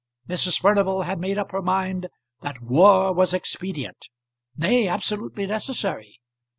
Mrs. Furnival had made up her mind that war was expedient, nay, absolutely necessary.